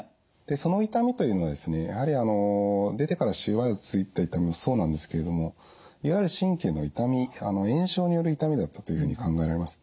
その痛みというのはですねやはりあの出てからしばらく続いた痛みもそうなんですけれどもいわゆる神経の痛み炎症による痛みだったというふうに考えられます。